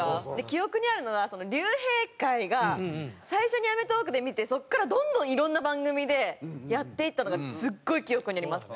記憶にあるのはその竜兵会が最初に『アメトーーク』で見てそこからどんどん色んな番組でやっていったのがすごい記憶にあります。